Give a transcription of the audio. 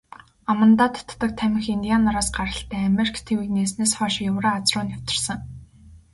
Амандаа татдаг тамхи индиан нараас гаралтай, Америк тивийг нээснээс хойно Еврази руу нэвтэрсэн.